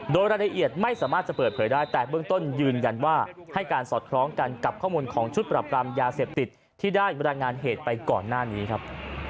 โดยรายละเอียดไม่สามารถจะเปิดเผยได้แต่เบื้องต้นยืนยันว่าให้การสอดคล้องกันกับข้อมูลของชุดปรับปรามยาเสพติดที่ได้บรรยายงานเหตุไปก่อนหน้านี้ครับ